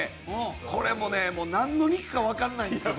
これも何の肉か分からないんですけど。